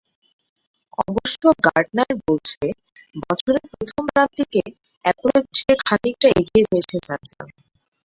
অবশ্য গার্টনার বলছে, বছরের প্রথম প্রান্তিকে অ্যাপলের চেয়ে খানিকটা এগিয়ে রয়েছে স্যামসাং।